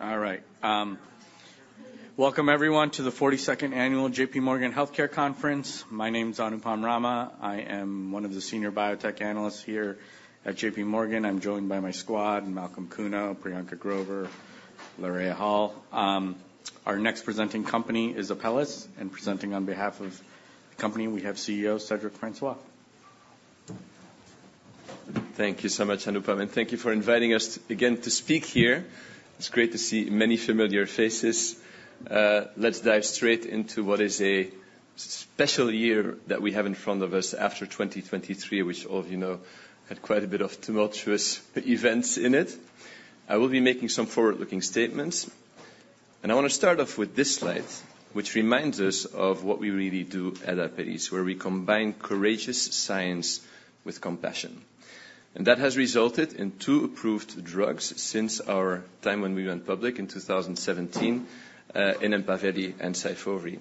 All right. Welcome everyone to the 42nd Annual JPMorgan Healthcare Conference. My name is Anupam Rama. I am one of the Senior Biotech Analysts here at JPMorgan. I'm joined by my squad, Malcolm Kuno, Priyanka Grover, Lorea Hall. Our next presenting company is Apellis, and presenting on behalf of the company, we have CEO Cedric Francois. Thank you so much, Anupam, and thank you for inviting us again to speak here. It's great to see many familiar faces. Let's dive straight into what is a special year that we have in front of us after 2023, which all of you know, had quite a bit of tumultuous events in it. I will be making some forward-looking statements, and I want to start off with this slide, which reminds us of what we really do at Apellis, where we combine courageous science with compassion. That has resulted in two approved drugs since our time when we went public in 2017, in EMPAVELI and SYFOVRE.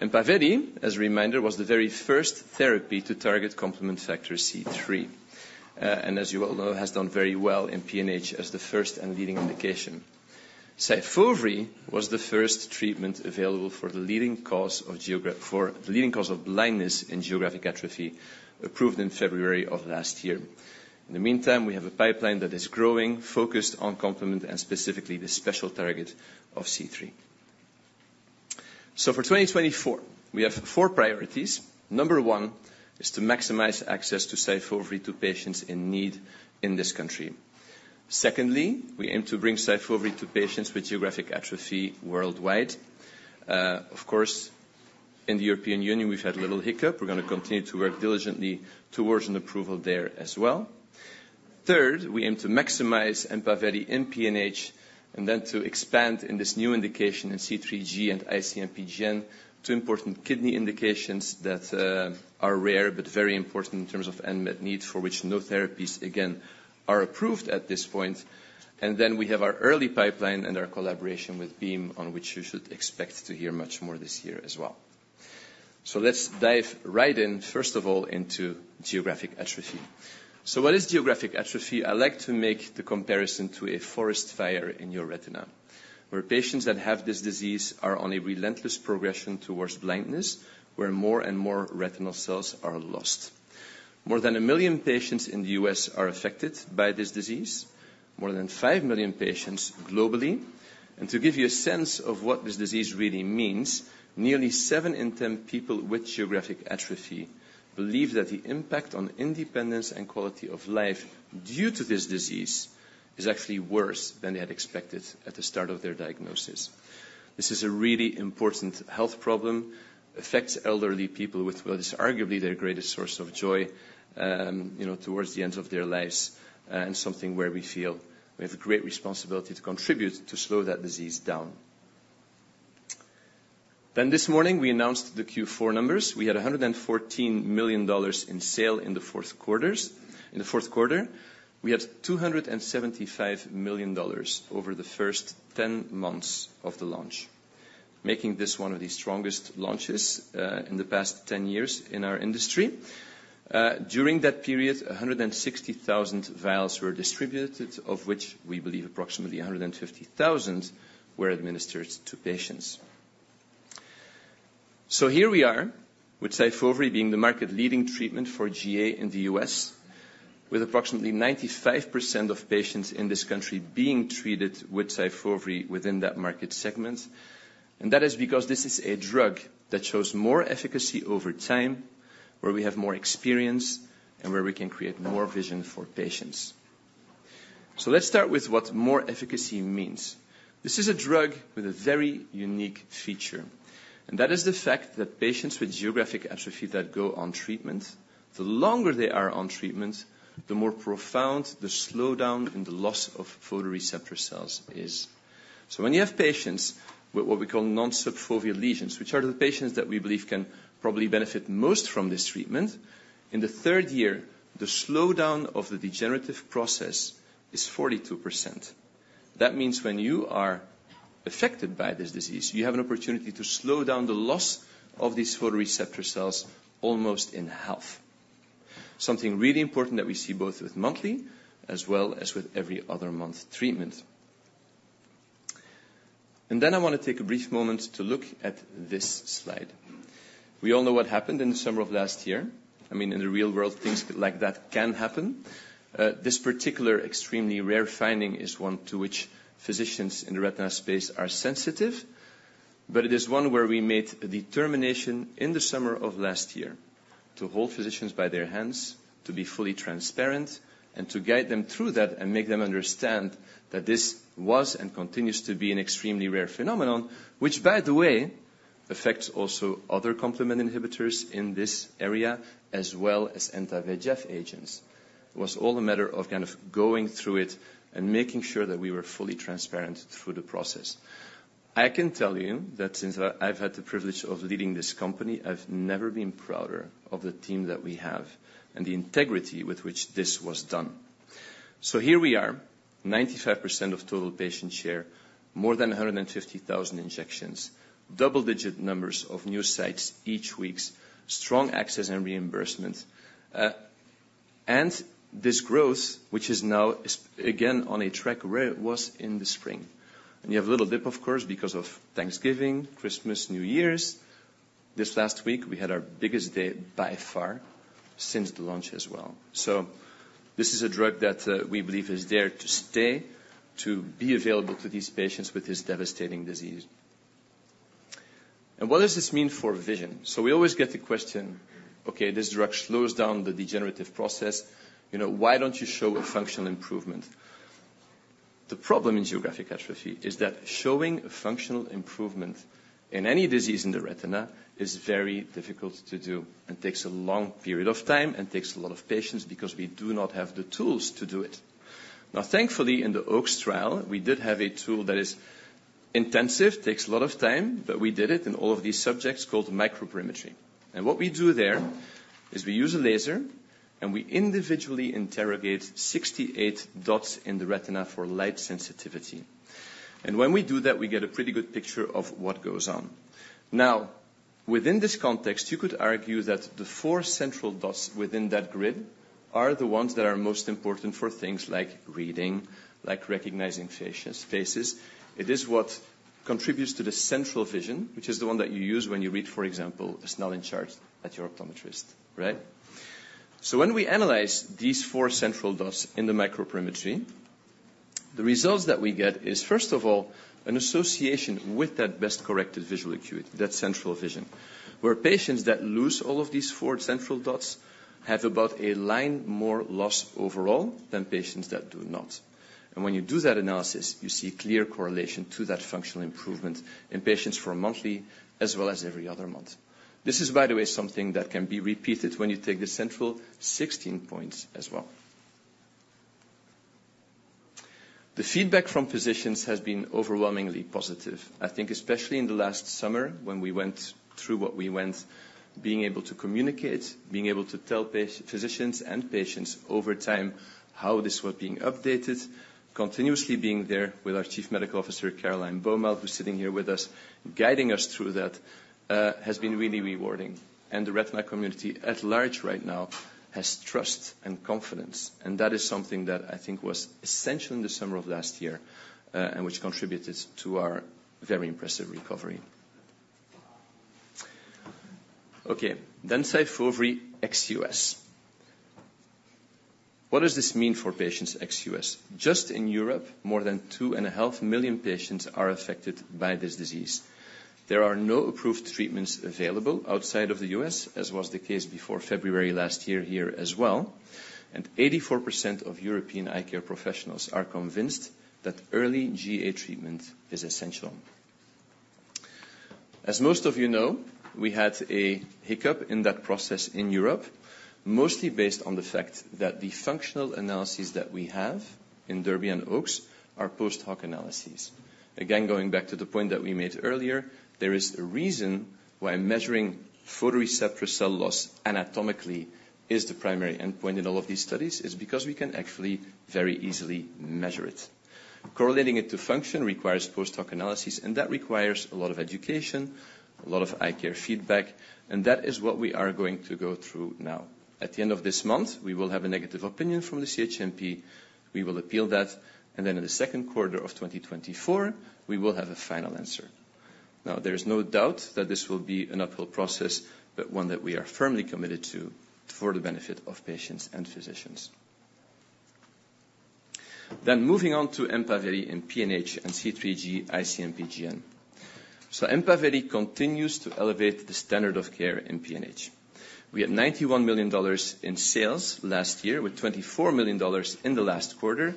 EMPAVELI, as a reminder, was the very first therapy to target complement factor C3, and as you all know, has done very well in PNH as the first and leading indication. SYFOVRE was the first treatment available for the leading cause of blindness in geographic atrophy, approved in February of last year. In the meantime, we have a pipeline that is growing, focused on complement and specifically the special target of C3. So for 2024, we have four priorities. Number one is to maximize access to SYFOVRE to patients in need in this country. Secondly, we aim to bring SYFOVRE to patients with geographic atrophy worldwide. Of course, in the European Union, we've had a little hiccup. We're going to continue to work diligently towards an approval there as well. Third, we aim to maximize EMPAVELI in PNH and then to expand in this new indication in C3G and IC-MPGN, two important kidney indications that are rare but very important in terms of unmet needs, for which no therapies again are approved at this point. And then we have our early pipeline and our collaboration with Beam, on which you should expect to hear much more this year as well. So let's dive right in, first of all, into geographic atrophy. So what is geographic atrophy? I like to make the comparison to a forest fire in your retina, where patients that have this disease are on a relentless progression towards blindness, where more and more retinal cells are lost. More than 1 million patients in the U.S. are affected by this disease, more than 5 million patients globally. To give you a sense of what this disease really means, nearly seven in ten people with geographic atrophy believe that the impact on independence and quality of life due to this disease is actually worse than they had expected at the start of their diagnosis. This is a really important health problem, affects elderly people with what is arguably their greatest source of joy, you know, towards the end of their lives, and something where we feel we have a great responsibility to contribute to slow that disease down. Then this morning, we announced the Q4 numbers. We had $114 million in sales in the fourth quarter. We had $275 million over the first 10 months of the launch, making this one of the strongest launches in the past 10 years in our industry. During that period, 160,000 vials were distributed, of which we believe approximately 150,000 were administered to patients. So here we are, with SYFOVRE being the market-leading treatment for GA in the U.S., with approximately 95% of patients in this country being treated with SYFOVRE within that market segment. And that is because this is a drug that shows more efficacy over time, where we have more experience, and where we can create more vision for patients. So let's start with what more efficacy means. This is a drug with a very unique feature, and that is the fact that patients with geographic atrophy that go on treatment, the longer they are on treatment, the more profound the slowdown in the loss of photoreceptor cells is. When you have patients with what we call non-subfoveal lesions, which are the patients that we believe can probably benefit most from this treatment, in the third year, the slowdown of the degenerative process is 42%. That means when you are affected by this disease, you have an opportunity to slow down the loss of these photoreceptor cells almost in half. Something really important that we see both with monthly as well as with every other month treatment. Then I want to take a brief moment to look at this slide. We all know what happened in the summer of last year. I mean, in the real world, things like that can happen. This particular extremely rare finding is one to which physicians in the retina space are sensitive, but it is one where we made a determination in the summer of last year to hold physicians by their hands, to be fully transparent, and to guide them through that and make them understand that this was and continues to be an extremely rare phenomenon, which, by the way, affects also other complement inhibitors in this area, as well as anti-VEGF agents. It was all a matter of kind of going through it and making sure that we were fully transparent through the process. I can tell you that since I've had the privilege of leading this company, I've never been prouder of the team that we have and the integrity with which this was done. So here we are, 95% of total patient share, more than 150,000 injections, double-digit numbers of new sites each weeks, strong access and reimbursement. This growth, which is now, is again, on a track where it was in the spring. You have a little dip, of course, because of Thanksgiving, Christmas, New Year's. This last week, we had our biggest day by far since the launch as well. So this is a drug that, we believe is there to stay, to be available to these patients with this devastating disease. And what does this mean for vision? So we always get the question, "Okay, this drug slows down the degenerative process. You know, why don't you show a functional improvement?" The problem in geographic atrophy is that showing a functional improvement in any disease in the retina is very difficult to do, and takes a long period of time and takes a lot of patience because we do not have the tools to do it. Now, thankfully, in the OAKS trial, we did have a tool that is intensive, takes a lot of time, but we did it in all of these subjects, called microperimetry. And what we do there is we use a laser, and we individually interrogate 68 dots in the retina for light sensitivity. And when we do that, we get a pretty good picture of what goes on. Now, within this context, you could argue that the four central dots within that grid are the ones that are most important for things like reading, like recognizing faces, faces. It is what contributes to the central vision, which is the one that you use when you read, for example, a Snellen chart at your optometrist, right? So when we analyze these four central dots in the microperimetry, the results that we get is, first of all, an association with that best corrected visual acuity, that central vision, where patients that lose all of these four central dots have about a line more loss overall than patients that do not. And when you do that analysis, you see clear correlation to that functional improvement in patients for a monthly as well as every other month. This is, by the way, something that can be repeated when you take the central 16 points as well. The feedback from physicians has been overwhelmingly positive. I think especially in the last summer when we went through what we went, being able to communicate, being able to tell physicians and patients over time how this was being updated, continuously being there with our Chief Medical Officer, Caroline Baumal, who's sitting here with us, guiding us through that, has been really rewarding. And the retina community at large right now has trust and confidence, and that is something that I think was essential in the summer of last year, and which contributed to our very impressive recovery. Okay, then SYFOVRE ex-US. What does this mean for patients ex-US? Just in Europe, more than 2.5 million patients are affected by this disease. There are no approved treatments available outside of the US, as was the case before February last year here as well, and 84% of European eye care professionals are convinced that early GA treatment is essential. As most of you know, we had a hiccup in that process in Europe, mostly based on the fact that the functional analyses that we have in DERBY and OAKS are post-hoc analyses. Again, going back to the point that we made earlier, there is a reason why measuring photoreceptor cell loss anatomically is the primary endpoint in all of these studies, is because we can actually very easily measure it. Correlating it to function requires post-hoc analyses, and that requires a lot of education, a lot of eye care feedback, and that is what we are going to go through now. At the end of this month, we will have a negative opinion from the CHMP. We will appeal that, and then in the second quarter of 2024, we will have a final answer. Now, there is no doubt that this will be an uphill process, but one that we are firmly committed to for the benefit of patients and physicians. Then moving on to EMPAVELI in PNH and C3G, IC-MPGN. So EMPAVELI continues to elevate the standard of care in PNH. We had $91 million in sales last year, with $24 million in the last quarter,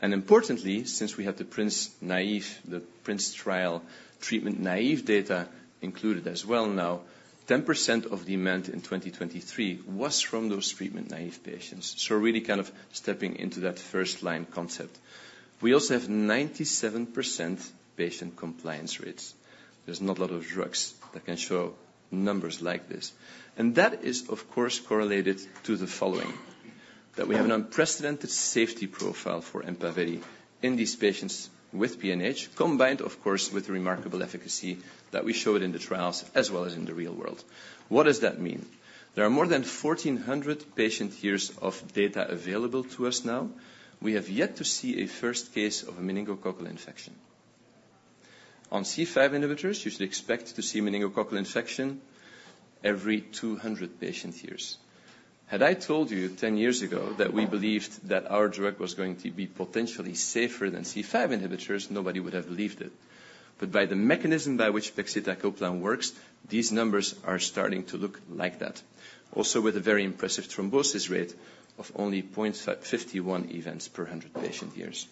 and importantly, since we had the PRINCE-naïve, the PRINCE trial treatment-naïve data included as well now, 10% of demand in 2023 was from those treatment-naïve patients. So really kind of stepping into that first line concept. We also have 97% patient compliance rates. There's not a lot of drugs that can show numbers like this. That is, of course, correlated to the following: that we have an unprecedented safety profile for EMPAVELI in these patients with PNH, combined, of course, with remarkable efficacy that we showed in the trials as well as in the real world. What does that mean? There are more than 1,400 patient years of data available to us now. We have yet to see a first case of a meningococcal infection. On C5 inhibitors, you should expect to see meningococcal infection every 200 patient years. Had I told you 10 years ago that we believed that our drug was going to be potentially safer than C5 inhibitors, nobody would have believed it. But by the mechanism by which pegcetacoplan works, these numbers are starting to look like that. Also with a very impressive thrombosis rate of only 0.51 events per 100 patient years.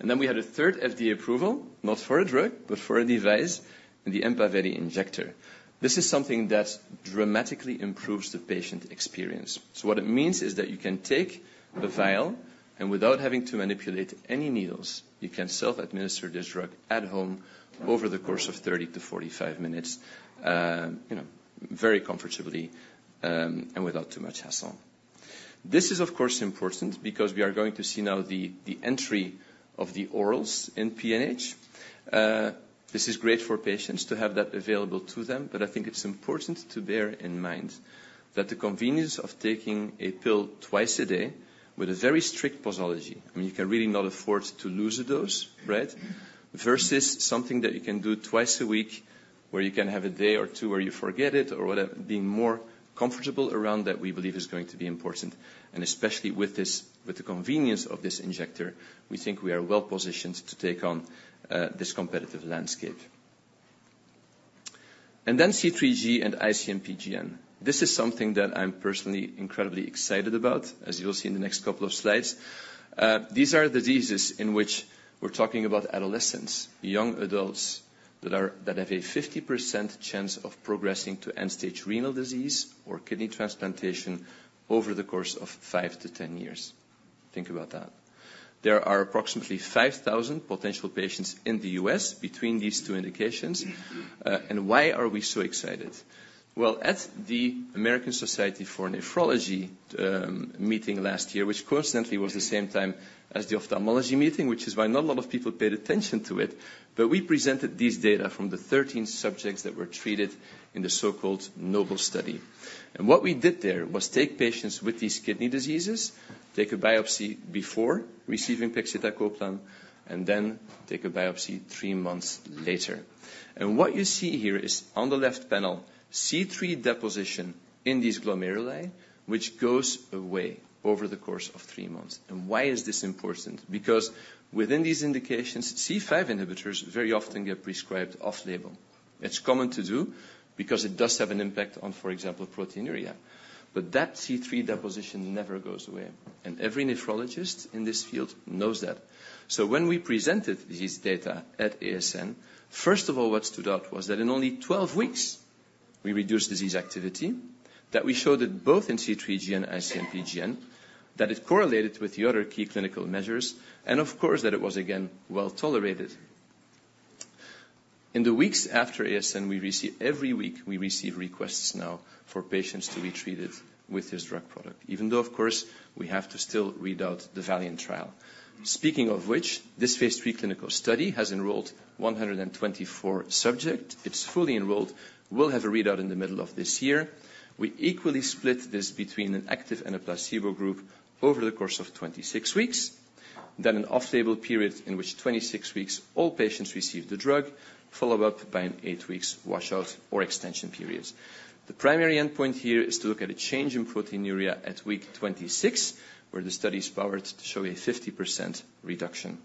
Then we had a third FDA approval, not for a drug, but for a device, the EMPAVELI Injector. This is something that dramatically improves the patient experience. So what it means is that you can take the vial, and without having to manipulate any needles, you can self-administer this drug at home over the course of 30-45 minutes, you know, very comfortably, and without too much hassle. This is, of course, important because we are going to see now the entry of the orals in PNH. This is great for patients to have that available to them, but I think it's important to bear in mind that the convenience of taking a pill twice a day with a very strict posology, I mean, you can really not afford to lose a dose, right? Versus something that you can do twice a week, where you can have a day or two where you forget it or whatever. Being more comfortable around that, we believe, is going to be important, and especially with this, with the convenience of this injector, we think we are well positioned to take on, this competitive landscape. And then C3G and IC-MPGN. This is something that I'm personally incredibly excited about, as you will see in the next couple of slides. These are diseases in which we're talking about adolescents, young adults, that have a 50% chance of progressing to end-stage renal disease or kidney transplantation over the course of 5-10 years. Think about that. There are approximately 5,000 potential patients in the US between these two indications. Why are we so excited? Well, at the American Society of Nephrology meeting last year, which coincidentally was the same time as the ophthalmology meeting, which is why not a lot of people paid attention to it. We presented this data from the 13 subjects that were treated in the so-called NOBLE study. What we did there was take patients with these kidney diseases, take a biopsy before receiving pegcetacoplan, and then take a biopsy three months later. And what you see here is, on the left panel, C3 deposition in these glomeruli, which goes away over the course of three months. And why is this important? Because within these indications, C5 inhibitors very often get prescribed off-label. It's common to do because it does have an impact on, for example, proteinuria. But that C3 deposition never goes away, and every nephrologist in this field knows that. So when we presented this data at ASN, first of all, what stood out was that in only 12 weeks, we reduced disease activity, that we showed it both in C3G and IC-MPGN, that it correlated with the other key clinical measures, and of course, that it was, again, well tolerated. In the weeks after ASN, we receive... Every week, we receive requests now for patients to be treated with this drug product, even though, of course, we have to still read out the VALIANT trial. Speaking of which, this phase III clinical study has enrolled 124 subjects. It's fully enrolled. We'll have a readout in the middle of this year. We equally split this between an active and a placebo group over the course of 26 weeks, then an off-label period in which 26 weeks all patients received the drug, followed up by an eight weeks washout or extension periods. The primary endpoint here is to look at a change in proteinuria at week 26, where the study is powered to show a 50% reduction.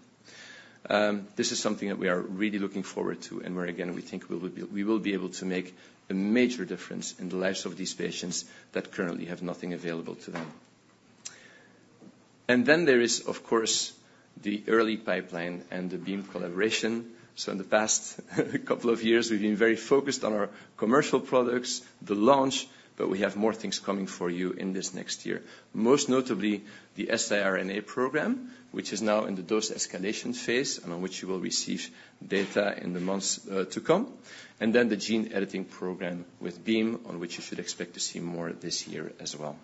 This is something that we are really looking forward to and where, again, we think we will be able to make a major difference in the lives of these patients that currently have nothing available to them. And then there is, of course, the early pipeline and the Beam collaboration. So in the past couple of years, we've been very focused on our commercial products, the launch, but we have more things coming for you in this next year. Most notably, the siRNA program, which is now in the dose escalation phase and on which you will receive data in the months to come. And then the gene editing program with Beam, on which you should expect to see more this year as well.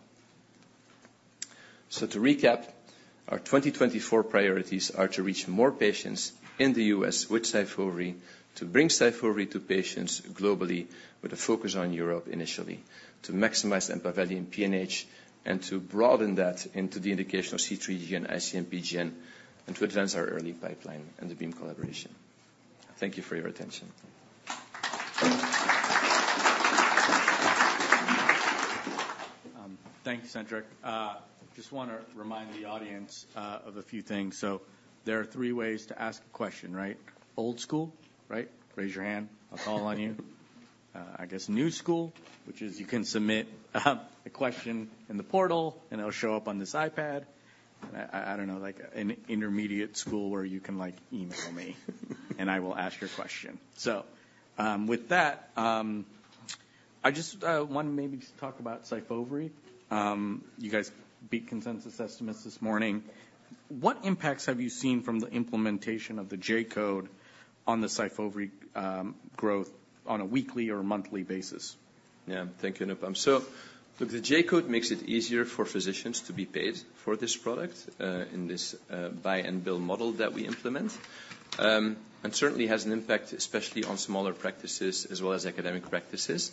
To recap, our 2024 priorities are to reach more patients in the U.S. with SYFOVRE, to bring SYFOVRE to patients globally, with a focus on Europe initially, to maximize EMPAVELI in PNH, and to broaden that into the indication of C3G and IC-MPGN, and to advance our early pipeline and the Beam collaboration. Thank you for your attention. Thank you, Cedric. Just wanna remind the audience of a few things. So there are three ways to ask a question, right? Old school, right? Raise your hand. I'll call on you. I guess new school, which is you can submit a question in the portal, and it'll show up on this iPad. I don't know, like an intermediate school, where you can, like, email me and I will ask your question. With that, I just want to maybe just talk about SYFOVRE. You guys beat consensus estimates this morning. What impacts have you seen from the implementation of the J-code on the SYFOVRE growth on a weekly or a monthly basis? Yeah. Thank you, Anupam. So look, the J-code makes it easier for physicians to be paid for this product in this buy and bill model that we implement. And certainly has an impact, especially on smaller practices as well as academic practices.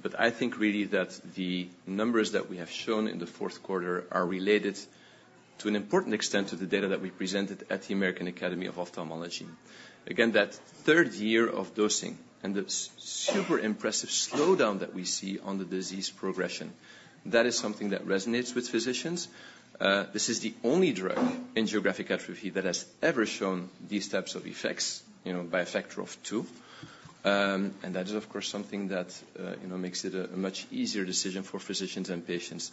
But I think really that the numbers that we have shown in the fourth quarter are related to an important extent to the data that we presented at the American Academy of Ophthalmology. Again, that third year of dosing and the super impressive slowdown that we see on the disease progression, that is something that resonates with physicians. This is the only drug in geographic atrophy that has ever shown these types of effects, you know, by a factor of two. And that is, of course, something that, you know, makes it a much easier decision for physicians and patients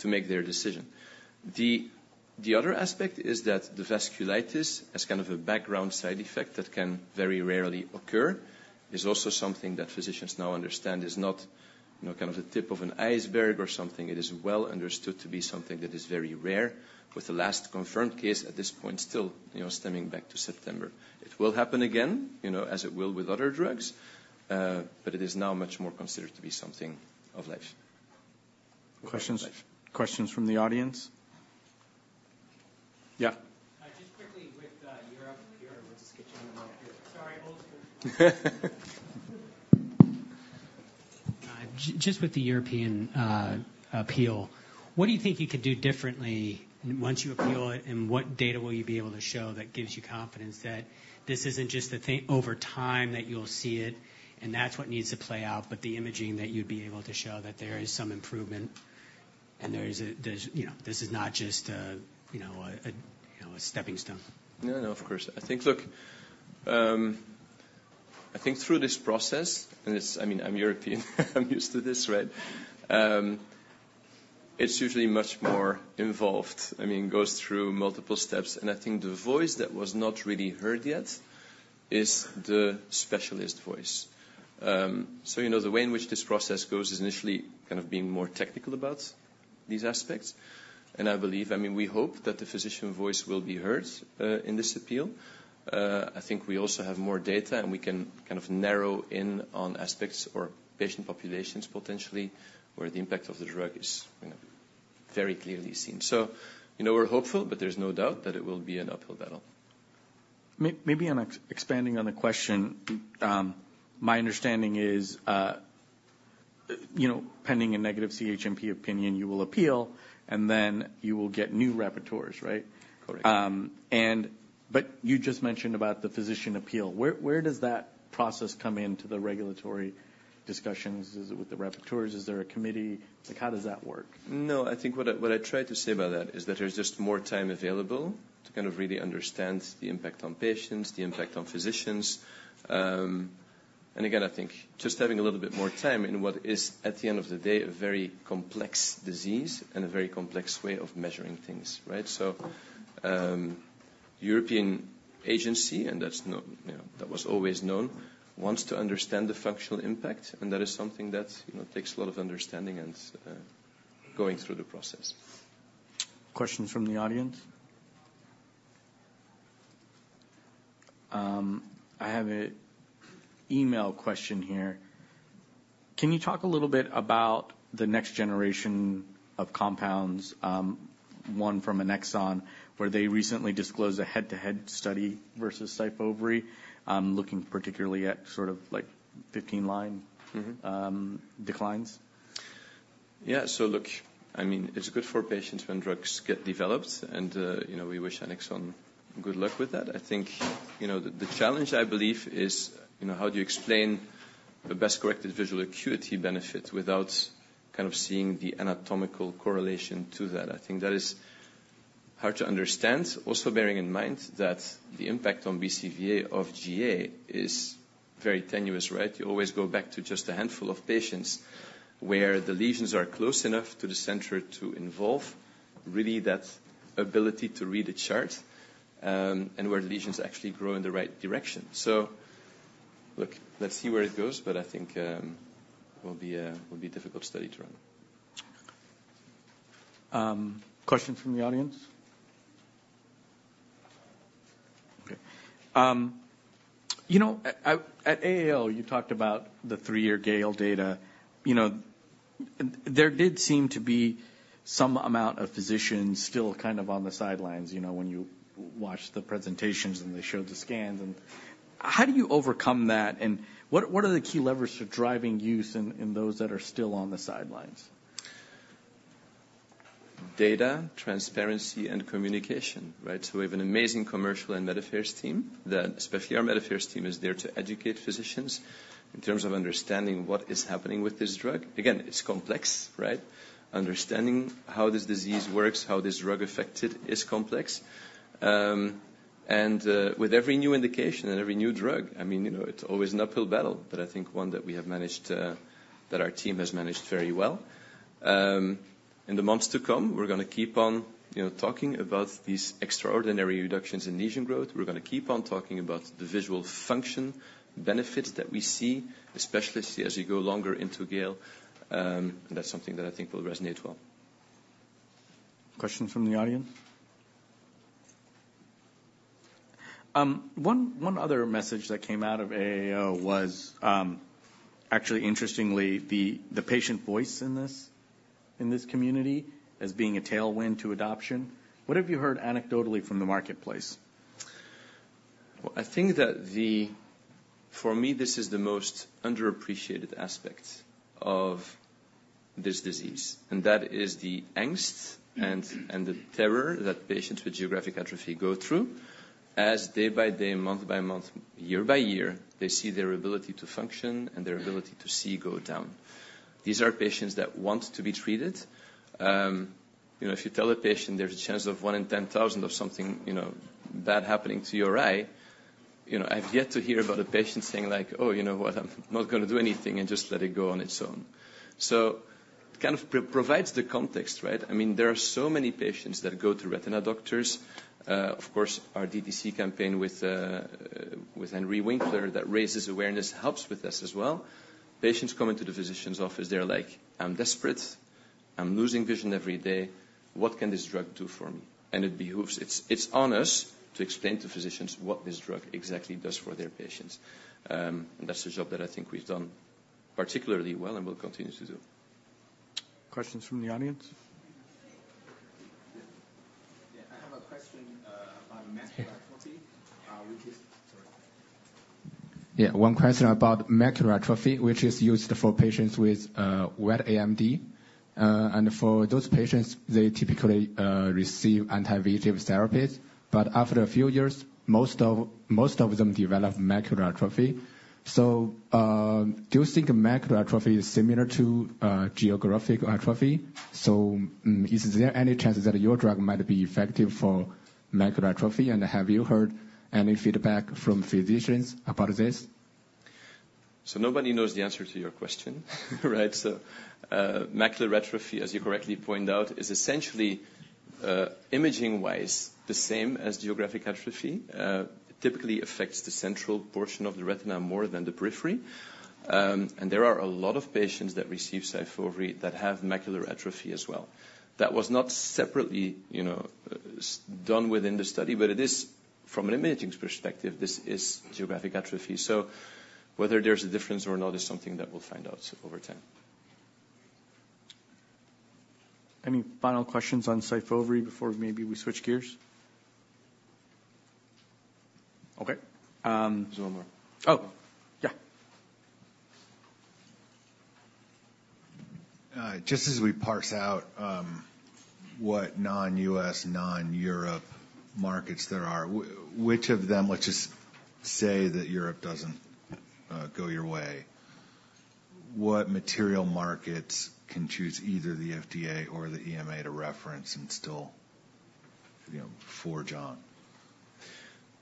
to make their decision. The other aspect is that the vasculitis, as kind of a background side effect that can very rarely occur, is also something that physicians now understand is not, you know, kind of the tip of an iceberg or something. It is well understood to be something that is very rare, with the last confirmed case at this point, still, you know, stemming back to September. It will happen again, you know, as it will with other drugs, but it is now much more considered to be something of life. Questions, questions from the audience?... Yeah. Just quickly with Europe here. Sorry, Ole. Just with the European appeal, what do you think you could do differently once you appeal it, and what data will you be able to show that gives you confidence that this isn't just a thing over time, that you'll see it, and that's what needs to play out, but the imaging that you'd be able to show that there is some improvement, and there's, you know, this is not just a, you know, a, you know, a stepping stone? No, no, of course. I think... Look, I think through this process, and it's—I mean, I'm European. I'm used to this, right? It's usually much more involved. I mean, it goes through multiple steps, and I think the voice that was not really heard yet is the specialist voice. So, you know, the way in which this process goes is initially kind of being more technical about these aspects. And I believe... I mean, we hope that the physician voice will be heard in this appeal. I think we also have more data, and we can kind of narrow in on aspects or patient populations, potentially, where the impact of the drug is, you know, very clearly seen. So, you know, we're hopeful, but there's no doubt that it will be an uphill battle. Maybe I'm expanding on the question. My understanding is, you know, pending a negative CHMP opinion, you will appeal, and then you will get new rapporteurs, right? Correct. But you just mentioned about the physician appeal. Where does that process come into the regulatory discussions? Is it with the rapporteurs? Is there a committee? Like, how does that work? No, I think what I, what I tried to say by that is that there's just more time available to kind of really understand the impact on patients, the impact on physicians. And again, I think just having a little bit more time in what is, at the end of the day, a very complex disease and a very complex way of measuring things, right? So, European agency, and that's no- you know, that was always known, wants to understand the functional impact, and that is something that, you know, takes a lot of understanding and, going through the process. Questions from the audience? I have an email question here. Can you talk a little bit about the next generation of compounds, one from Annexon, where they recently disclosed a head-to-head study versus SYFOVRE, looking particularly at sort of like 15 line- Mm-hmm... declines? Yeah. So look, I mean, it's good for patients when drugs get developed, and, you know, we wish Annexon good luck with that. I think, you know, the, the challenge, I believe, is, you know, how do you explain the best-corrected visual acuity benefit without kind of seeing the anatomical correlation to that? I think that is hard to understand. Also, bearing in mind that the impact on BCVA of GA is very tenuous, right? You always go back to just a handful of patients where the lesions are close enough to the center to involve, really, that ability to read a chart, and where the lesions actually grow in the right direction. So look, let's see where it goes, but I think, it will be a, will be a difficult study to run. Questions from the audience? Okay. You know, at AAO, you talked about the three-year GALE data. You know, there did seem to be some amount of physicians still kind of on the sidelines, you know, when you watched the presentations, and they showed the scans and... How do you overcome that, and what are the key levers for driving use in those that are still on the sidelines? Data, transparency, and communication, right? So we have an amazing commercial and medical affairs team, that especially our medical affairs team, is there to educate physicians in terms of understanding what is happening with this drug. Again, it's complex, right? Understanding how this disease works, how this drug affects it, is complex. And, with every new indication and every new drug, I mean, you know, it's always an uphill battle, but I think one that we have managed, that our team has managed very well. In the months to come, we're gonna keep on, you know, talking about these extraordinary reductions in lesion growth. We're gonna keep on talking about the visual function benefits that we see, especially as you go longer into GALE. That's something that I think will resonate well. Questions from the audience? One other message that came out of AAO was, actually, interestingly, the patient voice in this community as being a tailwind to adoption. What have you heard anecdotally from the marketplace? Well, I think that the—for me, this is the most underappreciated aspect of this disease, and that is the angst and the terror that patients with geographic atrophy go through as day by day, month by month, year by year, they see their ability to function and their ability to see go down. These are patients that want to be treated. You know, if you tell a patient there's a chance of 1 in 10,000 of something, you know, bad happening to your eye, you know, I've yet to hear about a patient saying like: "Oh, you know what? I'm not gonna do anything and just let it go on its own." So it kind of provides the context, right? I mean, there are so many patients that go to retina doctors. Of course, our DTC campaign with, with Henry Winkler, that raises awareness, helps with this as well. Patients come into the physician's office, they're like: "I'm desperate. I'm losing vision every day. What can this drug do for me?" And it behooves... It's, it's on us to explain to physicians what this drug exactly does for their patients. And that's the job that I think we've done particularly well and will continue to do.... Questions from the audience? Yeah, I have a question about macular atrophy, which is used for patients with wet AMD. And for those patients, they typically receive anti-VEGF therapies. But after a few years, most of them develop macular atrophy. So, do you think macular atrophy is similar to geographic atrophy? So, is there any chance that your drug might be effective for macular atrophy? And have you heard any feedback from physicians about this? So nobody knows the answer to your question. Right? So, macular atrophy, as you correctly pointed out, is essentially, imaging-wise, the same as geographic atrophy. It typically affects the central portion of the retina more than the periphery. And there are a lot of patients that receive SYFOVRE that have macular atrophy as well. That was not separately, you know, done within the study, but it is from an imaging perspective, this is geographic atrophy. So whether there's a difference or not, is something that we'll find out over time. Any final questions on SYFOVRE before maybe we switch gears? Okay. There's one more. Oh, yeah. Just as we parse out what non-U.S., non-Europe markets there are, which of them, let's just say that Europe doesn't go your way. What material markets can choose either the FDA or the EMA to reference and still, you know, forge on?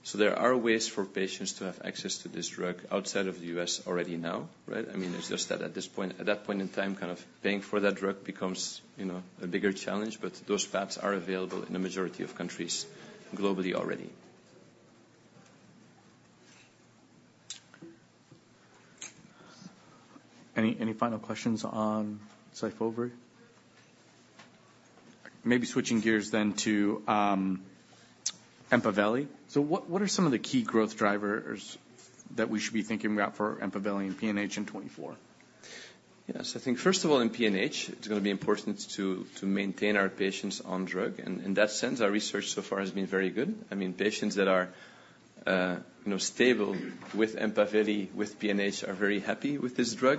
So there are ways for patients to have access to this drug outside of the U.S. already now, right? I mean, it's just that at this point, at that point in time, kind of paying for that drug becomes, you know, a bigger challenge. But those paths are available in the majority of countries globally already. Any, any final questions on SYFOVRE? Maybe switching gears then to EMPAVELI. So what, what are some of the key growth drivers that we should be thinking about for EMPAVELI in PNH in 2024? Yes. I think first of all, in PNH, it's gonna be important to maintain our patients on drug. And in that sense, our research so far has been very good. I mean, patients that are, you know, stable with EMPAVELI, with PNH, are very happy with this drug.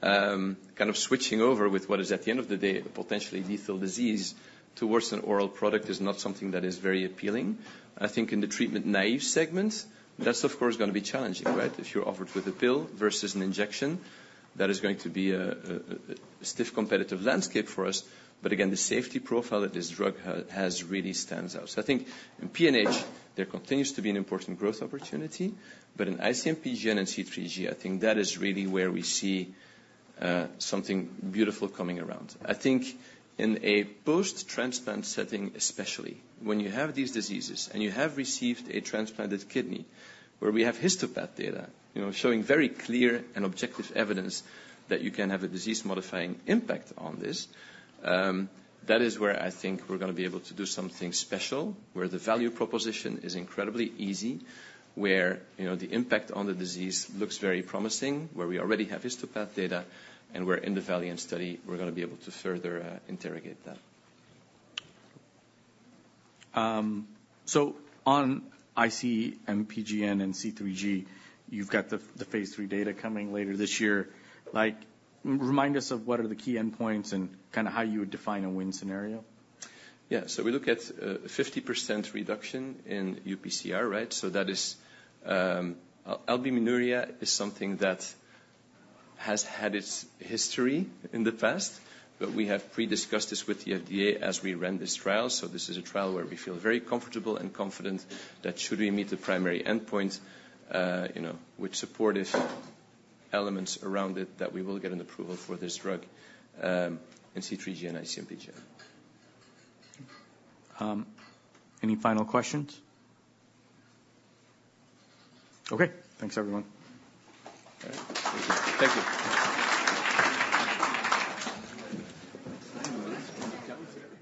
Kind of switching over with what is, at the end of the day, a potentially lethal disease, towards an oral product is not something that is very appealing. I think in the treatment-naive segment, that's of course, gonna be challenging, right? If you're offered with a pill versus an injection, that is going to be a stiff competitive landscape for us. But again, the safety profile that this drug has really stands out. So I think in PNH, there continues to be an important growth opportunity, but in IC-MPGN and C3G, I think that is really where we see something beautiful coming around. I think in a post-transplant setting, especially, when you have these diseases and you have received a transplanted kidney, where we have histopath data, you know, showing very clear and objective evidence that you can have a disease-modifying impact on this. That is where I think we're gonna be able to do something special, where the value proposition is incredibly easy, where, you know, the impact on the disease looks very promising, where we already have histopath data, and where in the VALIANT study, we're gonna be able to further interrogate that. So on IC-MPGN and C3G, you've got the phase III data coming later this year. Like, remind us of what are the key endpoints and kinda how you would define a win scenario. Yeah. So we look at 50% reduction in UPCR, right? So that is albuminuria is something that has had its history in the past, but we have pre-discussed this with the FDA as we ran this trial. So this is a trial where we feel very comfortable and confident that should we meet the primary endpoint, you know, with supportive elements around it, that we will get an approval for this drug in C3G and IC-MPGN. Any final questions? Okay. Thanks, everyone. Thank you.